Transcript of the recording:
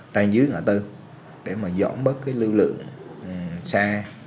tay dưới ngã tư để mà dọn bớt cái lưu lượng xa